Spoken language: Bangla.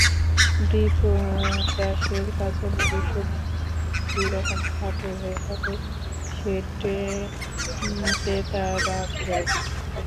বিপ্রদাসের কাছে মধুসূদন মনে মনে কী রকম খাটো হয়ে থাকে সেইটেতে তার রাগ ধরে।